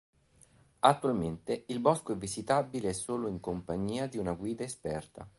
Attualmente il bosco è visitabile solo in compagnia di una guida esperta.